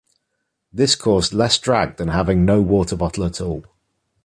This caused less drag than having no waterbottle at all.